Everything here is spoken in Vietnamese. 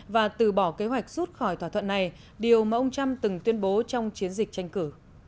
và từ bỏ kế hoạch rút khỏi thỏa thuận này điều mà ông trump từng tuyên bố trong chiến dịch tranh cử